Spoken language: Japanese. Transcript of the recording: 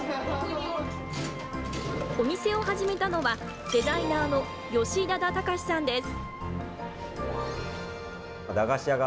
お店を始めたのは、デザイナーの吉田田タカシさんです。